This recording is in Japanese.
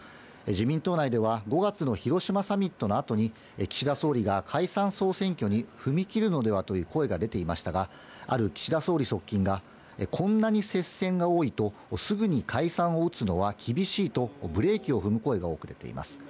自民党内では５月の広島サミットのあとに岸田総理が解散総選挙に踏み切るのではという声が出ていましたが、ある岸田総理側近が、こんなに接戦が多いとすぐに解散を打つのは厳しいと、ブレーキを踏む声が多く出ています。